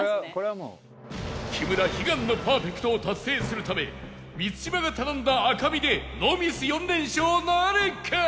木村悲願のパーフェクトを達成するため満島が頼んだ赤身でノーミス４連勝なるか？